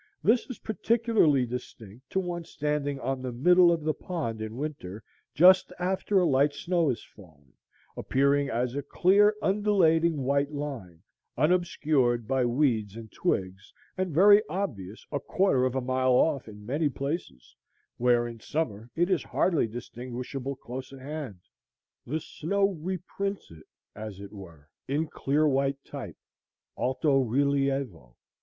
This is particularly distinct to one standing on the middle of the pond in winter, just after a light snow has fallen, appearing as a clear undulating white line, unobscured by weeds and twigs, and very obvious a quarter of a mile off in many places where in summer it is hardly distinguishable close at hand. The snow reprints it, as it were, in clear white type alto relievo.